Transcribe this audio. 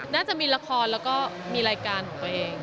น่าจะมีละครแล้วก็มีรายการของตัวเอง